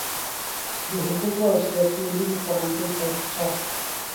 د حقوقو او سیاسي علومو پوهنځي تاریخچه